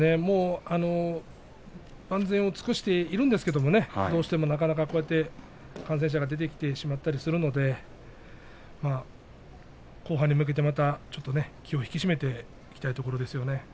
万全を尽くしているんですけれどもねどうしても感染者が出てきたりするので後半に向けて気を引き締めていきたいところですね。